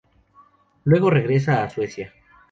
Luego regresa a Suecia.